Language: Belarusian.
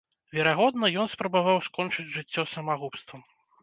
Верагодна, ён спрабаваў скончыць жыццё самагубствам.